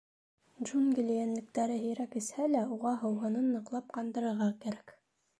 Джунгли йәнлектәре һирәк эсһә лә, уға һыуһынын ныҡлап ҡандырырға кәрәк.